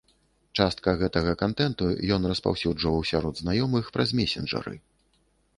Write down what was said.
Частка гэтага кантэнту ён распаўсюджваў сярод знаёмых праз месенджары.